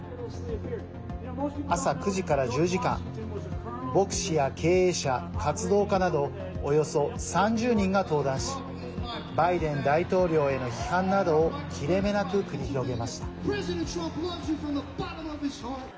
朝９時から１０時間牧師や経営者、活動家などおよそ３０人が登壇しバイデン大統領への批判などを切れ目なく繰り広げました。